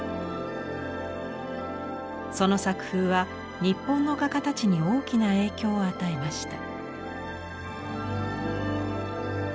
その作風は日本の画家たちに大きな影響を与えました。